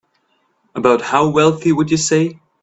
About how wealthy would you say?